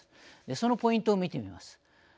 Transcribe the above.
そのポイントを見てみます。